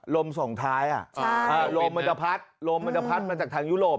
ลมส่องท้ายลมมันจะพัดลมมันจะพัดมาจากทางยุโรป